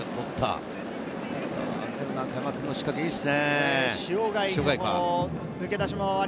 中山君の仕掛け、いいですね。